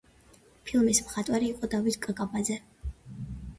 ფილმის მხატვარი იყო დავით კაკაბაძე.